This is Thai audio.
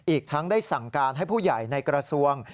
อีกทั้งได้สั่งการให้ผู้ใหญ่ในกระทรวง